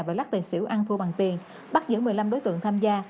và lát tài xỉu ăn thu bằng tiền bắt giữ một mươi năm đối tượng tham gia